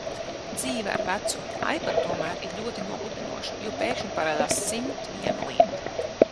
Dzīve ar vecu ipadu tomēr ir ļoti nogurdinoša, jo pēkšņi parādās simt viena lieta.